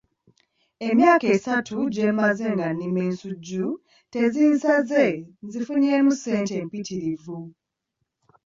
Emyaka esatu gye mmaze nga nnima ensujju tezinsaze nzifunyeemu ssente empitirivu.